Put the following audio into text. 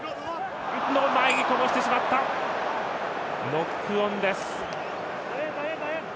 ノックオンです。